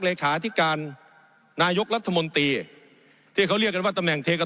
เลขาธิการนายกรัฐมนตรีที่เขาเรียกกันว่าตำแหน่งเทกับ